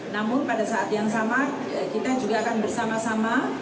namun pada saat yang sama kita juga akan bersama sama